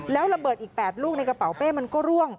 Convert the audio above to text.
แล้วระเบิดอีก๘ลูกในกระเป๋าเป้มันก็ร่วง